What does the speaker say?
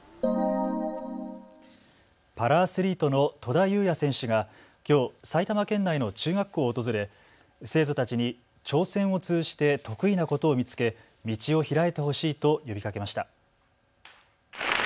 パラアスリートの戸田雄也選手がきょう埼玉県内の中学校を訪れ生徒たちに挑戦を通じて得意なことを見つけ道をひらいてほしいと呼びかけました。